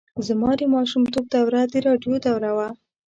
زما د ماشومتوب دوره د راډیو دوره وه.